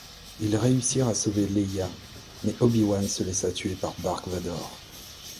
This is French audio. Ils réussirent à sauver Leia mais Obi-Wan se laissa tuer par Dark Vador.